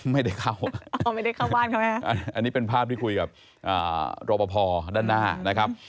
ไม่ได้เข้าอันนี้เป็นภาพที่คุยกับโรปพอร์ด้านหน้านะครับ